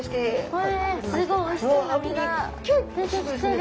えすごいおいしそうな身が出てきてる。